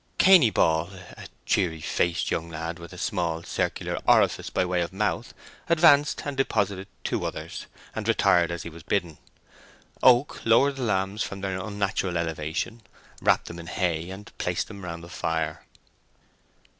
Cainy Ball—a cheery faced young lad, with a small circular orifice by way of mouth, advanced and deposited two others, and retired as he was bidden. Oak lowered the lambs from their unnatural elevation, wrapped them in hay, and placed them round the fire.